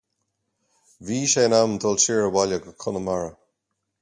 Bhí sé in am dul siar abhaile go Conamara.